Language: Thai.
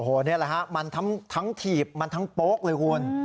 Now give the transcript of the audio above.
โอ้โหนี่แหละฮะมันทั้งถีบมันทั้งโป๊กเลยคุณ